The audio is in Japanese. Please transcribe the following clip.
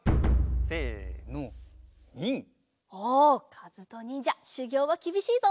かずとにんじゃしゅぎょうはきびしいぞ。